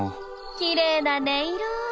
きれいな音色。